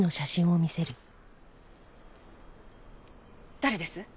誰です？